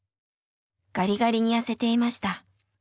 ガリガリに痩せていました。